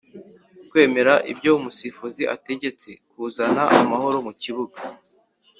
kwemera ibyo umusifuzi ategetse kuzana amahoro mu kibuga